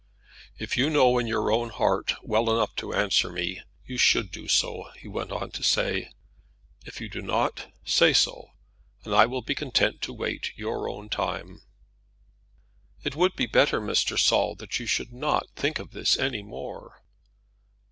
"If you knew your own heart well enough to answer me, you should do so," he went on to say. "If you do not, say so, and I will be content to wait your own time." "It would be better, Mr. Saul, that you should not think of this any more."